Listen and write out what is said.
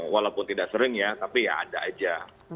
walaupun tidak sering ya tapi ya ada aja